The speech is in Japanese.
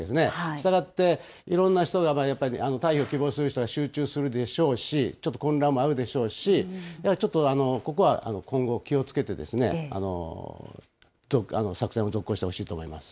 したがっていろんな人がやっぱり、退避を希望する人が集中するでしょうし、ちょっと混乱もあるでしょうし、やはりちょっとここは、今後、気をつけて作戦を続行してほしいと思います。